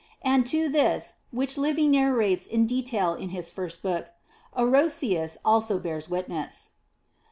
And to this, which Livy narrates in detail in his first book,* Orosius also bears witness/ 4.